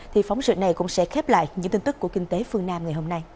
thì phóng sự này cũng sẽ khép lại những tin tức của kinh tế phương nam ngày hôm nay